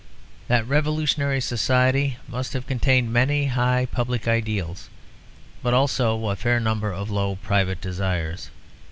That revolutionary society must have contained many high public ideals, but also a fair number of low private desires.